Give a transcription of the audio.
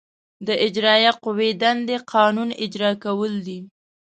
د اجرائیه قوې دندې قانون اجرا کول دي.